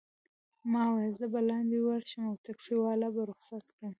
ما وویل: زه به لاندي ورشم او ټکسي والا به رخصت کړم.